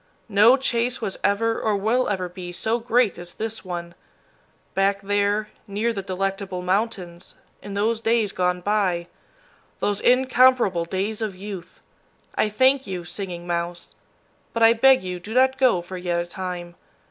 No chase was ever or will ever be so great as this one back there, near the Delectable Mountains, in those days gone by, those incomparable days of youth! I thank you, Singing Mouse; but I beg you do not go for yet a time.